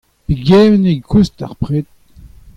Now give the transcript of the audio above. Pegement e koust ar pred ?